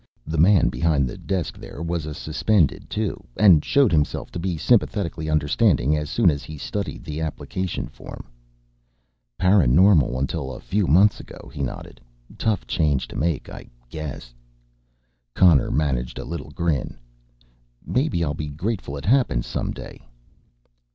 The man behind the desk there was a Suspended, too, and showed himself to be sympathetically understanding as soon as he studied the application form. "ParaNormal until a few months ago," he nodded. "Tough change to make, I guess." Connor managed a little grin. "Maybe I'll be grateful it happened some day."